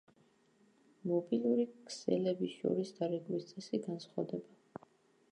მობილური ქსელების შორის დარეკვის წესი განსხვავდება.